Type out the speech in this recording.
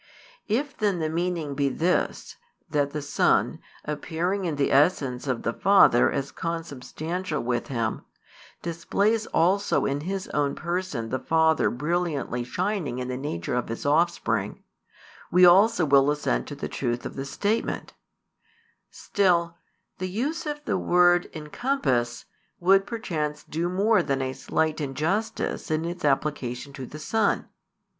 If then the meaning be this, that the Son, appearing in the essence of the Father as Consubstantial with Him, displays also in His own Person the Father brilliantly shining in the nature of His Offspring, we also will assent to the truth of the statement: still, the use of the word "encompass" would perchance do more than a slight injustice in its application to the Son.